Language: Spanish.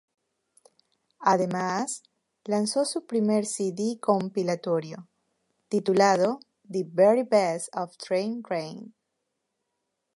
Además, lanzó su primer cd compilatorio, titulado "The Very Best of Trine Rein".